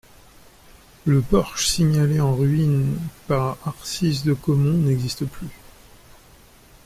Le porche signalé en ruines par Arcisse de Caumont n'existe plus.